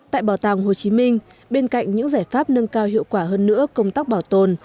tại bảo tàng hồ chí minh bên cạnh những giải pháp nâng cao hiệu quả hơn nữa công tác bảo tồn